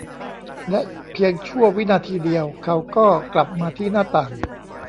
และเพียงชั่ววินาทีเดียว เขาก็กลับมาที่หน้าต่าง